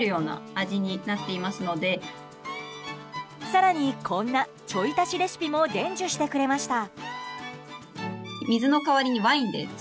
更にこんなちょい足しレシピも伝授してくれました。